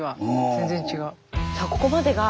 全然違う。